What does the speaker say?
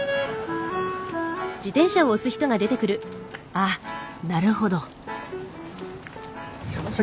あっなるほど。